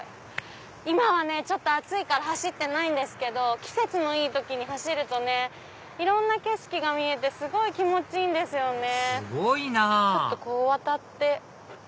今はねちょっと暑いから走ってないんですけど季節のいい時に走るとねいろんな景色が見えてすごい気持ちいいんですよね。